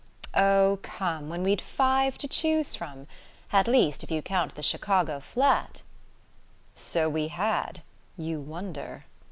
"Oh, come when we'd five to choose from. At least if you count the Chicago flat." "So we had you wonder!"